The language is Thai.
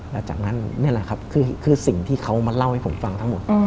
แล้วจากนั้นนี่แหละครับคือสิ่งที่เขามาเล่าให้ผมฟังทั้งหมด